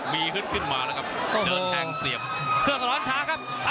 มีฮึดขึ้นมาแล้วครับเดินแห้งเสียบ